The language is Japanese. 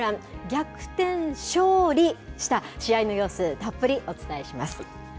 逆転勝利した試合の様子、たっぷりお伝えします。